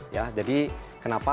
ya jadi kenapa